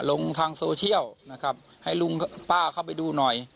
ลงทางโซเชียลนะครับให้ลุงป้าเข้าไปดูหน่อย